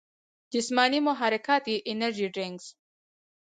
جسماني محرکات ئې انرجي ډرنکس ،